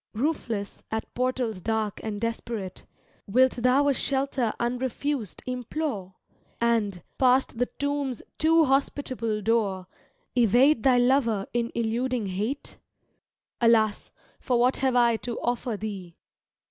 Roofless, at portals dark and desperate, Wilt thou a shelter unrefused implore. And, past the tomb's too^hospitable door. Evade thy lover in eludii^ Hate? Alas, for what have I to offer thee?